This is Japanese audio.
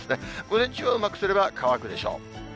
午前中はうまくすれば、乾くでしょう。